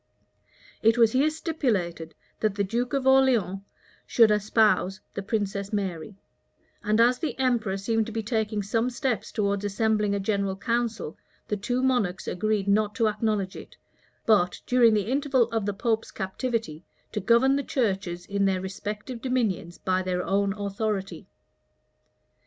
It was here stipulated, that the duke of Orleans should espouse the princess Mary; and as the emperor seemed to be taking some steps towards assembling a general council, the two monarchs agreed not to acknowledge it, but, during the interval of the pope's captivity, to govern the churches in their respective dominions by their own authority.